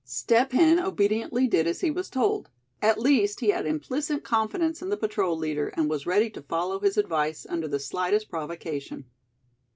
Step Hen obediently did as he was told. At least he had implicit confidence in the patrol leader, and was ready to follow his advice under the slightest provocation.